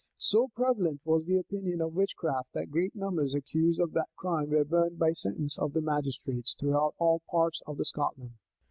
So prevalent was the opinion of witchcraft, that great numbers, accused of that crime, were burnt by sentence of the magistrates throughout all parts of Scotland.